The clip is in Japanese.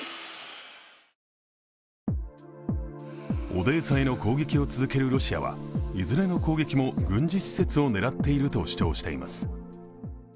オデーサへの攻撃を続けるロシアは、いずれの攻撃も軍事施設を狙っていると主張しています。